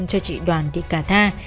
cho chị đoàn thị cà tha